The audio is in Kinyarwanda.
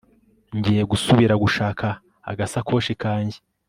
ngiye gusubira gushaka agasakoshi kanjye